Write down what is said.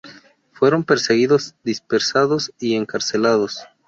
Fueron perseguidos, dispersados y encarcelados.